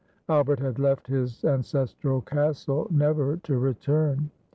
Albert had left his an cestral castle, never to return.